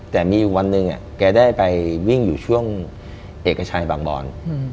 แต่มีอยู่วันหนึ่งแกได้ไปวิ่งอยู่ช่วงเอกชัยบางบอน